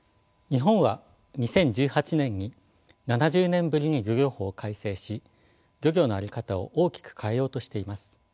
日本は２０１８年に７０年ぶりに漁業法を改正し漁業の在り方を大きく変えようとしています。